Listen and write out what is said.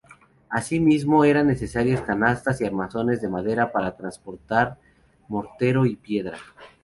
Asimismo eran necesarias canastas y armazones de madera para transportar mortero y piedra.